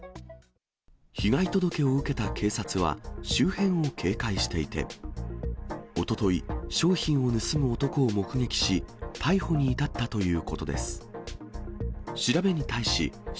被害届を受けた警察は、周辺を警戒していて、おととい、商品を盗む男を目撃し、逮捕に至ったということです。